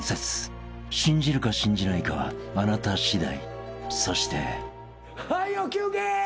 ［信じるか信じないかはあなた次第そして］休憩。